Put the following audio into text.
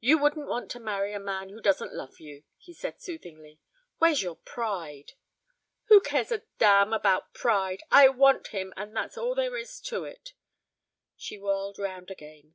"You wouldn't want to marry a man who doesn't love you," he said soothingly. "Where's your pride?" "Who cares a damn about pride? I want him and that's all there is to it." She whirled round again.